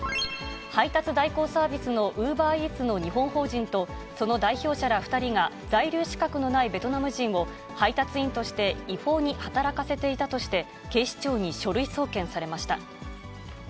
配達代行サービスのウーバーイーツの日本法人と、その代表者ら２人が、在留資格のないベトナム人を、配達員として違法に働かせていたとして、警視庁に書類送検されました。